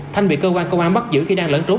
thanh bị cơ quan công an bắt giữ khi đang lẫn trốn